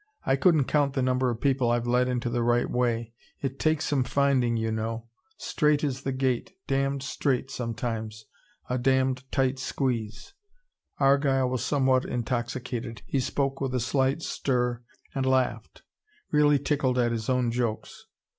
I couldn't count the number of people I've led into the right way. It takes some finding, you know. Strait is the gate damned strait sometimes. A damned tight squeeze...." Argyle was somewhat intoxicated. He spoke with a slight slur, and laughed, really tickled at his own jokes.